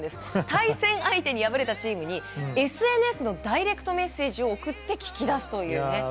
対戦相手に敗れたチームにＳＮＳのダイレクトメッセージを送って聞き出すという。